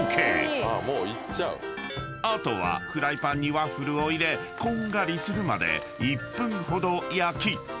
［あとはフライパンにワッフルを入れこんがりするまで１分ほど焼き］